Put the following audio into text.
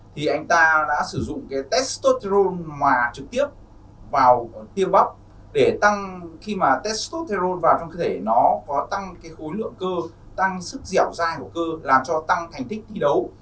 thì anh ta đã sử dụng cái testosterone mà trực tiếp vào tiêu bắp để tăng khi mà testosterone vào trong cơ thể nó có tăng cái khối lượng cơ tăng sức dẻo dài của cơ làm cho tăng thành tích thi đấu